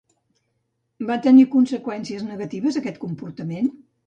Va tenir conseqüències negatives aquest comportament?